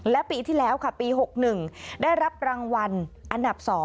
และปีที่แล้วค่ะปี๖๑ได้รับรางวัลอันดับ๒